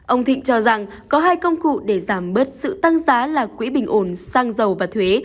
ông thịnh cho rằng có hai công cụ để giảm bớt sự tăng giá là quỹ bình ổn xăng dầu và thuế